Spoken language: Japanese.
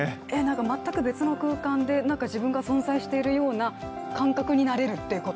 全く別の空間で自分が存在しているような感覚になれるってこと？